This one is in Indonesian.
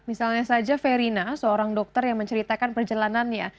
misalnya saja verina seorang dokter yang menceritakan perjalanannya